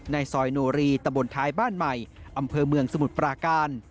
ในซอยโนรีตะบนท้ายบ้านใหม่อำเภอเมืองสมุทรปราการ